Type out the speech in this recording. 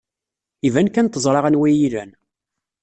Iban kan teẓra anwa iyi-ilan.